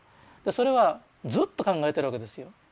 それはずっと考えてるわけですよ。